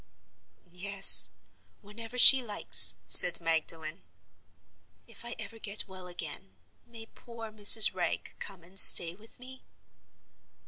"Yes; whenever she likes," said Magdalen. "If I ever get well again, may poor Mrs. Wragge come and stay with me?"